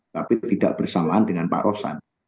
tapi tidak bersamaan dengan pak roslan